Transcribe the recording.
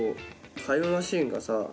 「タイムマシン」がさ